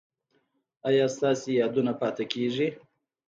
ایا ستاسو یادونه پاتې کیږي؟